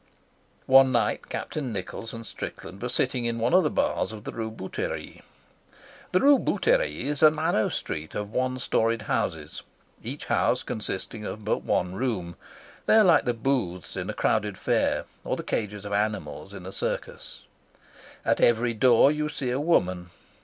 One night Captain Nichols and Strickland were sitting in one of the bars of the Rue Bouterie. The Rue Bouterie is a narrow street of one storeyed houses, each house consisting of but one room; they are like the booths in a crowded fair or the cages of animals in a circus. At every door you see a woman.